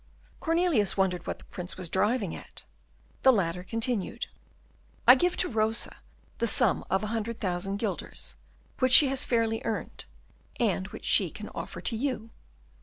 Cornelius wondered what the Prince was driving at. The latter continued, "I give to Rosa the sum of a hundred thousand guilders, which she has fairly earned, and which she can offer to you.